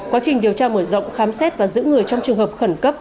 quá trình điều tra mở rộng khám xét và giữ người trong trường hợp khẩn cấp